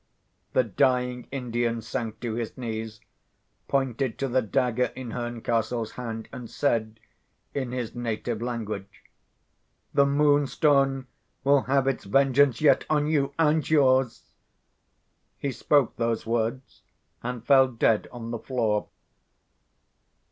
The dying Indian sank to his knees, pointed to the dagger in Herncastle's hand, and said, in his native language—"The Moonstone will have its vengeance yet on you and yours!" He spoke those words, and fell dead on the floor.